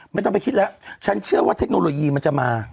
ไม่ต้องไปคิดแล้วฉันเชื่อว่าเทคโนโลยีมันจะมา